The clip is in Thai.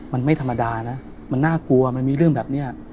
มันไม่ธรรมดานะมันน่ากลัวมันมีเรื่องแบบนี้